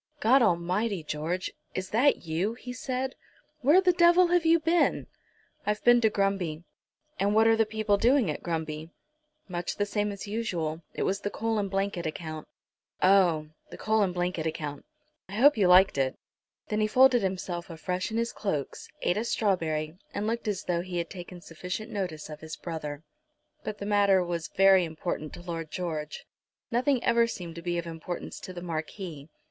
"God Almighty, George; is that you?" he said. "Where the devil have you been?" "I've been to Grumby." "And what are the people doing at Grumby?" "Much the same as usual. It was the coal and blanket account." "Oh! the coal and blanket account! I hope you liked it." Then he folded himself afresh in his cloaks, ate a strawberry, and looked as though he had taken sufficient notice of his brother. But the matter was very important to Lord George. Nothing ever seemed to be of importance to the Marquis.